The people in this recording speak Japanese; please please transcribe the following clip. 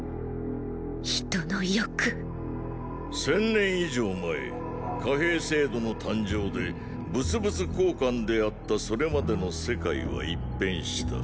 人の欲千年以上前貨幣制度の誕生で物々交換であったそれまでの世界は一変した。